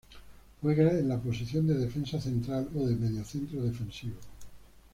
Juega en la posición de defensa central o de mediocentro defensivo.